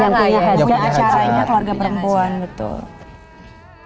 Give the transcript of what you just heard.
yang punya acaranya keluarga perempuan betul